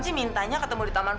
taulah aseh gak dengar khusus